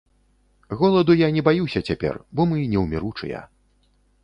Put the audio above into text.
Голаду я не баюся цяпер, бо мы неўміручыя.